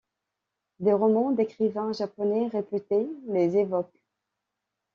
Des romans d'écrivains japonais réputés les évoquent.